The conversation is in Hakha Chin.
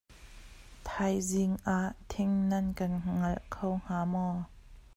Thaizing ah thing nan kan ngalh kho hnga maw?